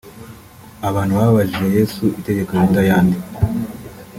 Abantu babajije Yesu itegeko riruta ayandi